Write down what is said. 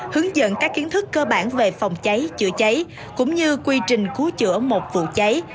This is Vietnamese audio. hướng dẫn các kiến thức cơ bản về phòng cháy chữa cháy cũng như quy trình cứu chữa một vụ cháy